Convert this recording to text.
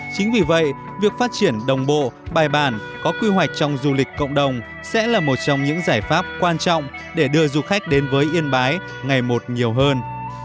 chính vì vậy việc phát triển đồng bộ bài bản có quy hoạch trong du lịch cộng đồng sẽ là một trong những giải pháp quan trọng để đưa du khách đến với yên bái ngày một nhiều hơn